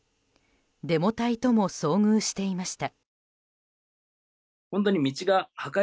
デモ隊とも遭遇していました。